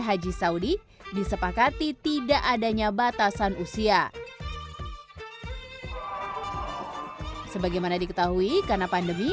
haji saudi disepakati tidak adanya batasan usia sebagaimana diketahui karena pandemi